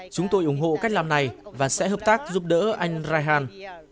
chúng tôi ủng hộ cách làm này và sẽ hợp tác giúp đỡ anh rai han